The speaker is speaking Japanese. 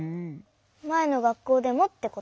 まえのがっこうでもってこと？